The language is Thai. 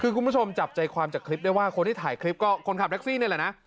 คือคุณผู้ชมจับใจความจากคลิปได้ว่าคนที่ถ่ายคลิปก็คนขับแท็กซี่นี่แหละนะ